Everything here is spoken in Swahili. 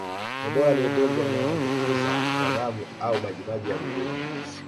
Ebola ni ugonjwa unaoambukiza kwa damu au majimaji ya mwilini